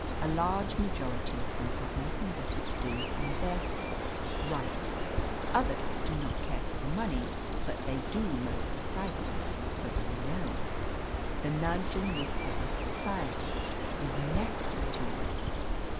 A large majority of them have nothing better to do, and therefore write. Others do not care for the money, but they do most decidedly for the renown. The nudge and whisper of society is nectar to them.